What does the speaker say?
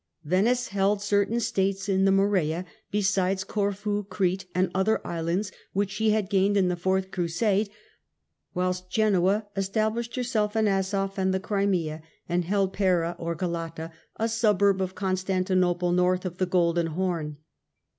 Venice held certain States in the Morea, besides Corfu, Crete and other islands which she had gained in the fourth Crusade, whilst Genoa established herself in Asof and the Crimea, and held Pera or Galata, a suburb of Constantinople north of the Golden Horn.